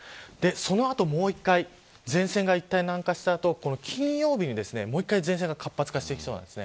その後もう１回前線がいったん南下した後金曜日に、もう１回前線が活発化してきそうです。